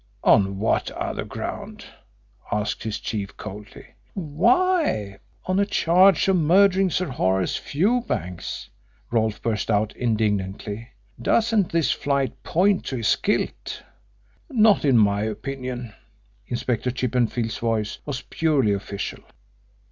"On what other ground?" asked his chief coldly. "Why, on a charge of murdering Sir Horace Fewbanks," Rolfe burst out indignantly. "Doesn't this flight point to his guilt?" "Not in my opinion." Inspector Chippenfield's voice was purely official.